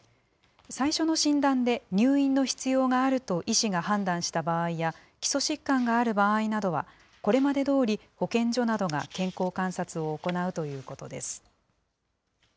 最初の診断で、入院の必要があると医師が判断した場合や、基礎疾患がある場合などは、これまでどおり保健所などが健康観察を行うということです。